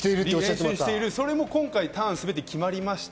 それも今回ターン、全て決まりました。